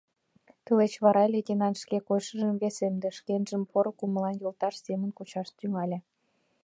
Тылеч вара лейтенант шке койышыжым весемдыш, шкенжым поро кумылан йолташ семын кучаш тӱҥале.